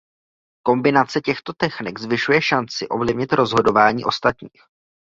Kombinace těchto technik zvyšuje šanci ovlivnit rozhodování ostatních.